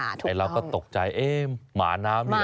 ไอ้เราก็ตกใจเอ๊ะหมาน้ำเนี่ย